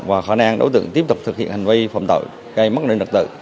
và khả năng đối tượng tiếp tục thực hiện hành vi phòng tội gây mất lợi đặc tự